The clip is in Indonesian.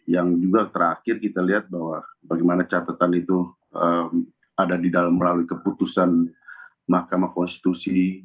yang juga terakhir kita lihat bahwa bagaimana catatan itu ada di dalam melalui keputusan mahkamah konstitusi